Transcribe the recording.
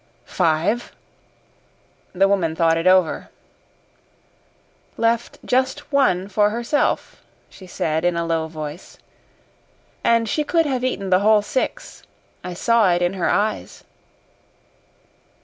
"Five." The woman thought it over. "Left just one for herself," she said in a low voice. "And she could have eaten the whole six I saw it in her eyes."